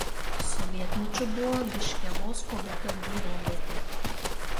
Sovietmečiu buvo Liškiavos kolūkio gyvenvietė.